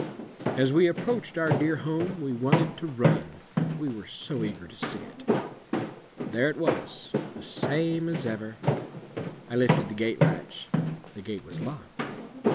As we approached our dear home we wanted to run, we were so eager to see it. There it was, the same as ever. I lifted the gate latch; the gate was locked.